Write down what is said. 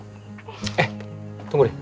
eh tunggu deh